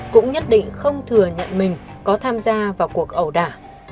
cũng nhất định không thừa nhận mình có tham gia vào cuộc ẩu đả